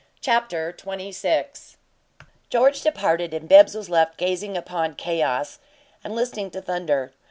CHAPTER XXVI George departed, and Bibbs was left gazing upon chaos and listening to thunder.